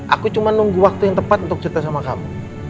aku cuma nunggu waktu yang tepat untuk cerita sama kamu